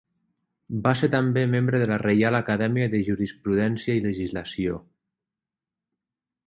Va ser també membre de la Reial Acadèmia de Jurisprudència i Legislació.